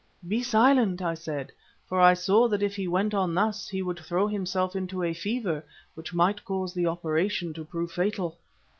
"'Be silent,' I said, for I saw that if he went on thus he would throw himself into a fever, which might cause the operation to prove fatal.